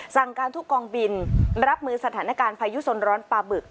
สั่งการทุกกองบินรับมือสถานการณ์พายุสนร้อนปลาบึก